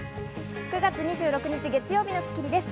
９月２６日、月曜日の『スッキリ』です。